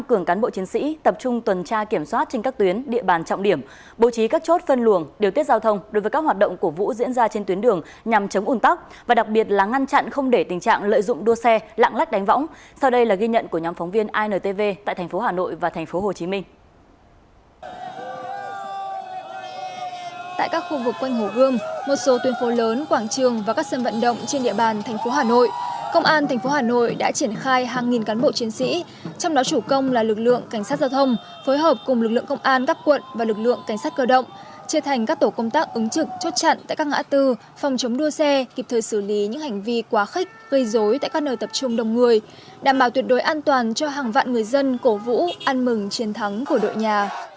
công an tp hà nội đã triển khai hàng nghìn cán bộ chiến sĩ trong đó chủ công là lực lượng cảnh sát giao thông phối hợp cùng lực lượng công an các quận và lực lượng cảnh sát cơ động chia thành các tổ công tác ứng trực chốt chặn tại các ngã tư phòng chống đua xe kịp thời xử lý những hành vi quá khích gây dối tại các nơi tập trung đồng người đảm bảo tuyệt đối an toàn cho hàng vạn người dân cổ vũ an mừng chiến thắng của đội nhà